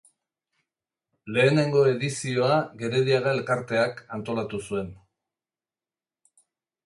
Lehenengo edizioa Gerediaga Elkarteak antolatu zuen.